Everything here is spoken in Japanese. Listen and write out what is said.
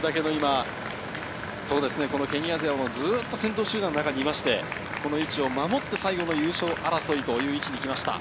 ケニア勢もずっと先頭集団の中にいまして、この位置を守って最後の優勝争いの位置に来ました。